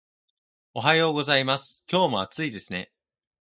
おはようございます。今日も暑いですね